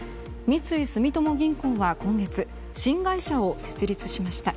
三井住友銀行は今月新会社を設立しました。